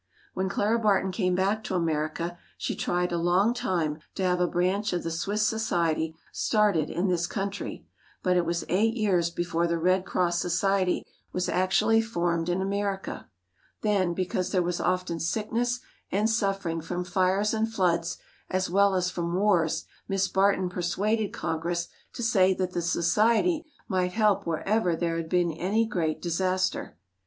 When Clara Barton came back to America, she tried a long time to have a branch of the Swiss society started in this country, but it was eight years before the Red Cross Society was actually formed in America. Then, because there was often sickness and suffering from fires and floods, as well as from wars, Miss Barton persuaded Congress to say that the society might help wherever there had been any great disaster.